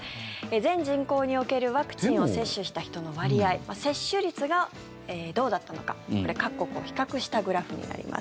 全人口におけるワクチンを接種した人の割合接種率がどうだったのかこれは各国を比較したグラフになります。